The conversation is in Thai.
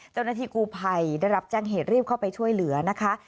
เจ้าหน้าที่กูภัยได้รับแจ้งเหตุรีบเข้าไปช่วยเหลือนะคะ